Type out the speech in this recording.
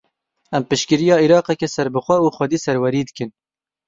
Em piştgiriya Iraqeke serbixwe û xwedî serwerî dikin.